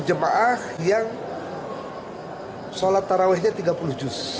sepuluh jemaah yang sholat terawihnya tiga puluh juz